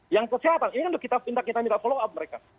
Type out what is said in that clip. yang kesehatan ini kan kita minta follow up mereka